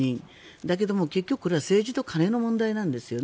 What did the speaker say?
だけども結局これは政治と金の問題なんですよね。